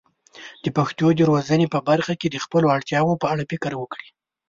د پښتو د روزنې په برخه کې د خپلو اړتیاوو په اړه فکر وکړي.